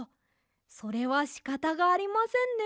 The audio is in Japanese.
それはしかたがありませんね。